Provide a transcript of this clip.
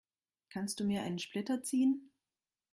Kannst du mir einen Splitter ziehen?